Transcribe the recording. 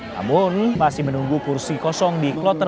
namun masih menunggu kursi kosong di kloter